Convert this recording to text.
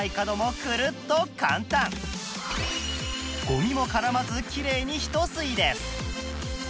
ゴミも絡まずきれいにひと吸いです